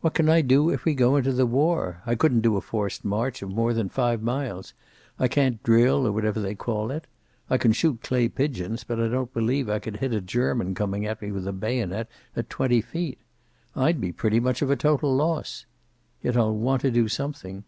What can I do if we go into the war? I couldn't do a forced march of more than five miles. I can't drill, or whatever they call it. I can shoot clay pigeons, but I don't believe I could hit a German coming at me with a bayonet at twenty feet. I'd be pretty much of a total loss. Yet I'll want to do something."